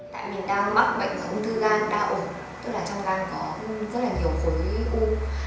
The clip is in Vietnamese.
tại mình đang mắc bệnh ung thư gan đau ổ tức là trong gan có rất là nhiều khối u